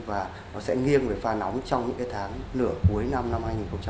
và nó sẽ nghiêng về pha nóng trong những cái tháng nửa cuối năm năm hai nghìn một mươi bảy